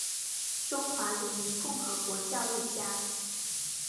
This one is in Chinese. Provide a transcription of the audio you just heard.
中华人民共和国教育家。